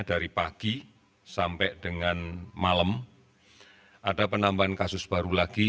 dari pagi sampai dengan malam ada penambahan kasus baru lagi